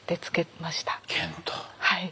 はい。